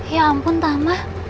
ya ampun tamah